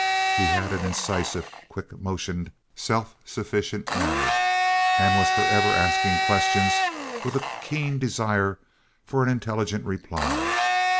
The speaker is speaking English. He had an incisive, quick motioned, self sufficient manner, and was forever asking questions with a keen desire for an intelligent reply.